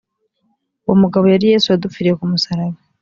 uwo mugabo yari yesu wadupfiriye kumusaraba